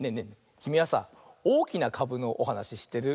きみはさ「おおきなかぶ」のおはなししってる？